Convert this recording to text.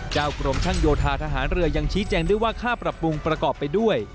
กรมช่างโยธาทหารเรือยังชี้แจงด้วยว่าค่าปรับปรุงประกอบไปด้วย